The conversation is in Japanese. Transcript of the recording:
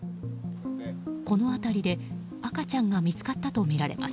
この辺りで赤ちゃんが見つかったとみられます。